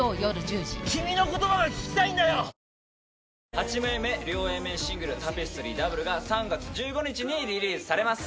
８枚目両Ａ面シングル『タペストリー／Ｗ』が３月１５日にリリースされます。